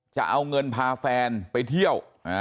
จะเอาเงินพาแฟนไปเที่ยว